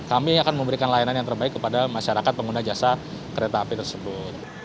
kami akan memberikan layanan yang terbaik kepada masyarakat pengguna jasa kereta api tersebut